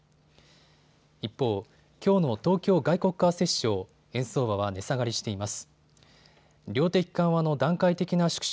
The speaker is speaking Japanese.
一方、きょうの東京外国為替市場、円相場は値下がりしています。